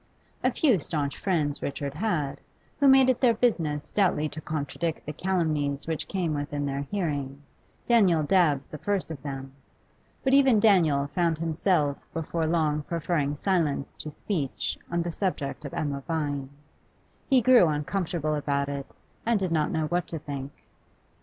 A few staunch friends Richard had, who made it their business stoutly to contradict the calumnies which came within their hearing, Daniel Dabbs the first of them. But even Daniel found himself before long preferring silence to speech on the subject of Emma Vine. He grew uncomfortable about it, and did not know what to think.